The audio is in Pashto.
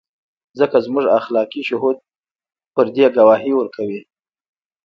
ځکه زموږ اخلاقي شهود په دې ګواهي ورکوي.